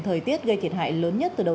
thời tiết gây thiệt hại lớn nhất từ đầu